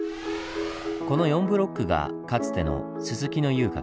この４ブロックがかつての薄野遊郭。